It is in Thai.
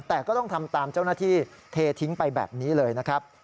แต่ก็ต้องทำตามเจ้าหน้าที่เททิ้งไปแบบนี้เลยนะครับ